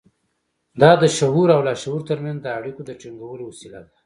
دا د شعور او لاشعور ترمنځ د اړيکو د ټينګولو وسيله ده.